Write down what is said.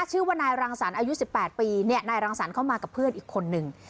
ชื่อว่านายรังสรรค์อายุ๑๘ปีเนี่ยนายรังสรรค์เข้ามากับเพื่อนอีกคนนึง